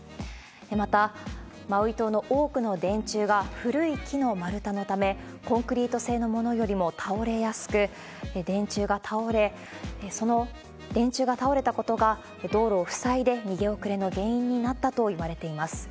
また、マウイ島の多くの電柱が古い木の丸太のため、コンクリート製のものよりも倒れやすく、電柱が倒れ、その電柱が倒れたことが、道路を塞いで、逃げ遅れの原因になったといわれています。